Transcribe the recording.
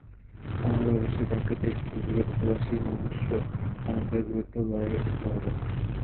আমাদের অবশ্যই প্রাকৃতিক দুর্যোগের পাশাপাশি মনুষ্য দানবদের বিরুদ্ধেও লড়াই করতে হবে।